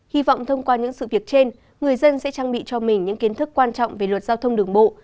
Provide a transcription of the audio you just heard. hy vọng thông qua những sự việc trên người dân sẽ trang bị cho mình những kiến thức quan trọng về luật giao thông đường bộ